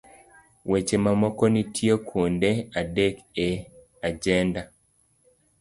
Weche mamoko nitie kuonde adek e ajenda